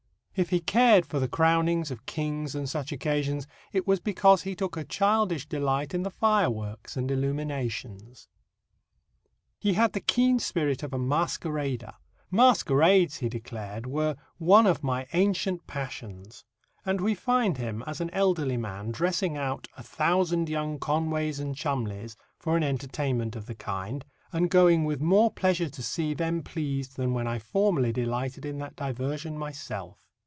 If he cared for the crownings of kings and such occasions, it was because he took a childish delight in the fireworks and illuminations. He had the keen spirit of a masquerader. Masquerades, he declared, were "one of my ancient passions," and we find him as an elderly man dressing out "a thousand young Conways and Cholmondeleys" for an entertainment of the kind, and going "with more pleasure to see them pleased than when I formerly delighted in that diversion myself."